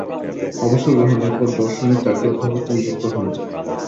অবসর গ্রহণের পর দর্শনের জাতীয় অধ্যাপক নিযুক্ত হন।